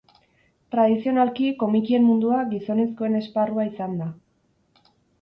Tradizionalki komikien mundua gizonezkoen esparrua izan da.